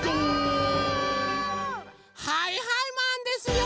はいはいマンですよ！